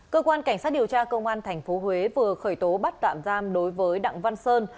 cơ quan cảnh sát điều tra công an tp huế vừa khởi tố bắt tạm giam đối với đặng văn sơn